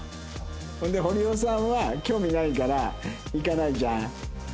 ほんで堀尾さんは興味ないから行かないじゃん。